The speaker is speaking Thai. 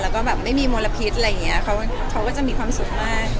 แล้วก็แบบไม่มีมลพิษอะไรอย่างนี้เขาก็จะมีความสุขมาก